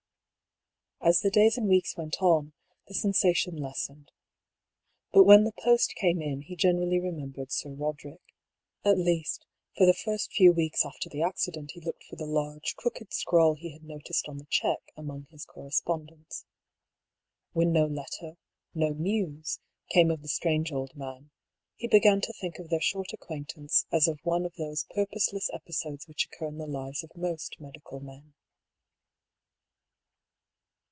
As the days and weeks went on, the sensation 18 DR. PAUIiL'S THEORY. lessened. But when the post came in he generally remembered Sir Roderick. At least, for the first few weeks after the accident he looked for the large, crooked scrawl he had noticed on the cheque, among his corre spondence. When no letter, no news came of the strange old man, he began to think of their short acquaintance as of one of those purposeless episodes which occur in the lives of most medical men.